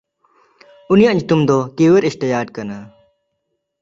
ᱩᱱᱤᱭᱟᱜ ᱧᱩᱛᱩᱢ ᱫᱚ ᱠᱤᱣᱮᱨᱥᱴᱮᱭᱟᱰ ᱠᱟᱱᱟ᱾